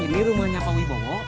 ini rumahnya pak wibowo